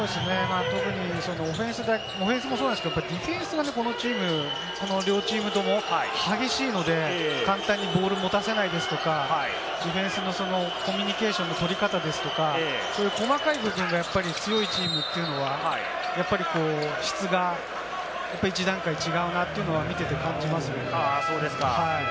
特にオフェンスもそうですけれども、やっぱりディフェンスが両チームとも激しいので、簡単にボールを持たせないですとか、ディフェンスのコミュニケーションの取り方ですとか、細かい部分がやっぱり強いチームがやっぱり質が１段階違うなというのは見てて感じますね。